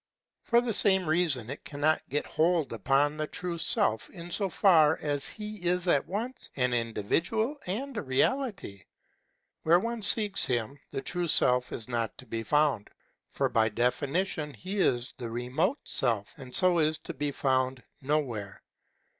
For the same reason it can not get hold upon the true Self in so far as he is at once an individual and a reality. Where one seeks him, the true Self is not to be found ; for by definition he is the remote Self, and so is to be found nowhere.